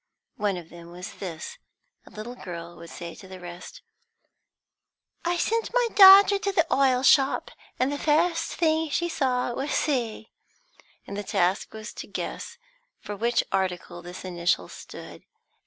One of them was this. A little girl would say to the rest: "I sent my daughter to the oil shop, and the first thing she saw was C;" and the task was to guess for what article this initial stood.